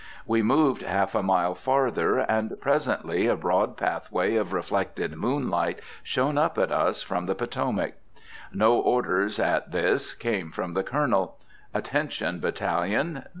We moved half a mile farther, and presently a broad pathway of reflected moonlight shone up at us from the Potomac. No orders, at this, came from the Colonel, "Attention, battalion!